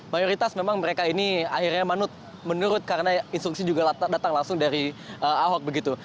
mayoritas memang mereka ini akhirnya menurut karena instruksi juga datang langsung dari ahok begitu